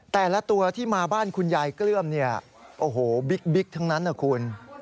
แต่ละตัวที่มาบ้านคุณยายเกลื้มเนี่ยโอ้โหบิ๊กทั้งนั้นนะคุณ